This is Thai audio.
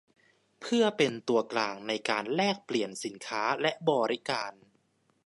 เพื่อเป็นตัวกลางในการแลกเปลี่ยนสินค้าและบริการ